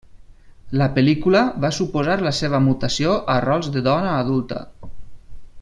La pel·lícula va suposar la seva mutació a rols de dona adulta.